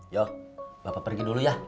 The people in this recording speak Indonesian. ya bapak pergi dulu ya